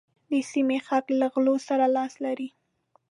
د سيمې خلک له غلو سره لاس لري.